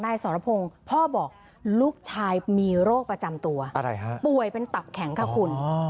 สรพงศ์พ่อบอกลูกชายมีโรคประจำตัวอะไรฮะป่วยเป็นตับแข็งค่ะคุณ